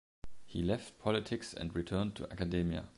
He left politics and returned to academia.